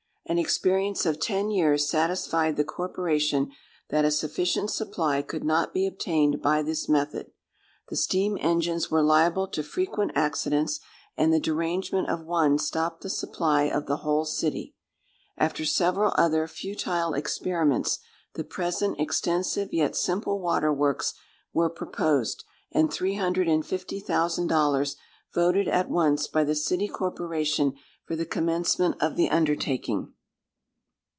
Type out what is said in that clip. An experience of ten years satisfied the corporation that a sufficient supply could not be obtained by this method. The steam engines were liable to frequent accidents, and the derangement of one stopped the supply of the whole city. After several other futile experiments, the present extensive yet simple water works were proposed, and three hundred and fifty thousand dollars voted at once by the city corporation for the commencement of the undertaking.